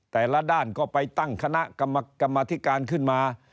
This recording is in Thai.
แต่ละด้านก็ไปตั้งคณะกรรมธิการขึ้นมา